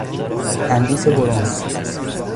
تندیس برنز